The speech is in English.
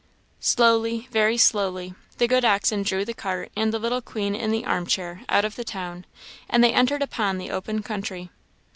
Slowly, very slowly, the good oxen drew the cart and the little queen in the arm chair out of the town, and they entered upon the open country.